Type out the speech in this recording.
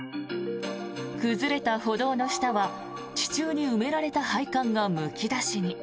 崩れた歩道の下は地中に埋められた配管がむき出しに。